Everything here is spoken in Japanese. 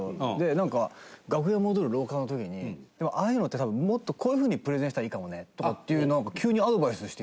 なんか、楽屋戻る廊下の時に「ああいうのって、多分、もっとこういうふうにプレゼンしたらいいかもね」とかってなんか急にアドバイスしてきて。